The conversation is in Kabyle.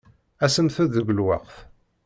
Asemt-d deg lweqt.